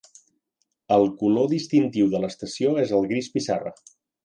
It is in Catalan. El color distintiu de l'estació és el gris pissarra.